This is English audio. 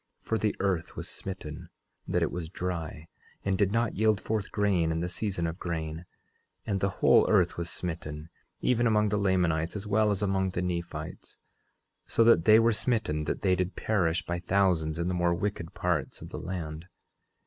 For the earth was smitten that it was dry, and did not yield forth grain in the season of grain; and the whole earth was smitten, even among the Lamanites as well as among the Nephites, so that they were smitten that they did perish by thousands in the more wicked parts of the land.